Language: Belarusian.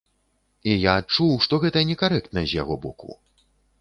І я адчуў, што гэта некарэктна з яго боку.